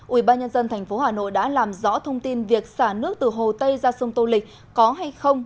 ubnd tp hà nội đã làm rõ thông tin việc xả nước từ hồ tây ra sông tô lịch có hay không